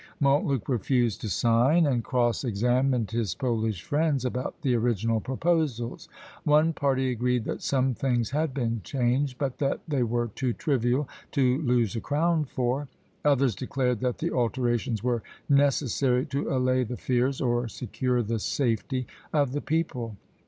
Montluc refused to sign, and cross examined his Polish friends about the original proposals; one party agreed that some things had been changed, but that they were too trivial to lose a crown for; others declared that the alterations were necessary to allay the fears, or secure the safety, of the people.